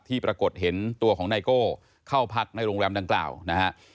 ปรากฏเห็นตัวของไนโก้เข้าพักในโรงแรมดังกล่าวนะฮะ